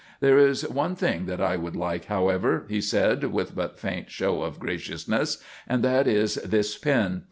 "There is one thing that I would like, however," he said with but faint show of graciousness, "and that is this pin.